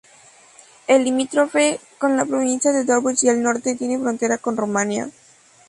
Es limítrofe con la provincia de Dobrich y al norte tiene frontera con Rumania.